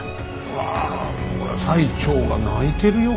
うわ最澄が泣いてるよ